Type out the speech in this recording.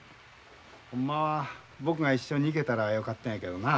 ほんまは僕が一緒に行けたらよかったんやけどな。